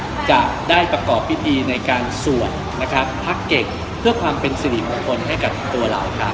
นักงดใหญ่นะครับจะได้ประกอบพิธีในการสวดนะครับพักเก่งเพื่อความเป็นสิริของคนให้กับตัวเราครับ